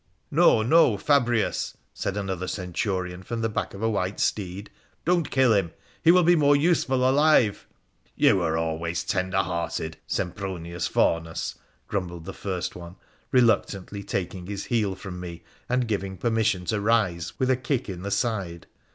' No, no, Fabrius !' said another Centurion, from the back of a white steed —' don't kill him. He will be more useful alive.' ' You were always tender hearted, Sempronius Faunus,' grumbled the first one, reluctantly taking his heel from me and giving permission to rise with a kick in the side.